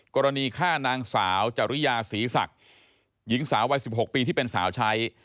กรณีฆ่านางสาวจริยาศรีศักดิ์หญิงสาววัย๑๖ปีที่เป็นสาวใช้